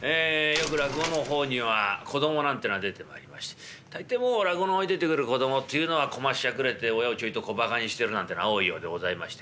よく落語の方には子どもなんてのが出てまいりまして大抵もう落語の方に出てくる子どもっていうのはこましゃくれて親をちょいと小バカにしてるなんてのが多いようでございまして。